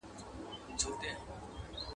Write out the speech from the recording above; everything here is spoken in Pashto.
د توري پرهار به جوړ سي، د ژبي پرهار به جوړ نه سي.